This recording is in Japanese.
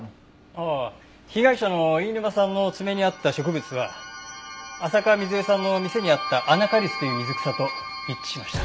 ああ被害者の飯沼さんの爪にあった植物は浅香水絵さんの店にあったアナカリスという水草と一致しました。